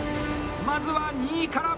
まずは２位から。